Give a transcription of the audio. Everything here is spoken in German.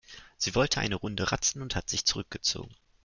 Sie wollte eine Runde ratzen und hat sich zurückgezogen.